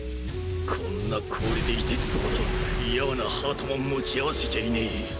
こんな氷でいてつくほどやわなハートも持ち合わせちゃいねえ。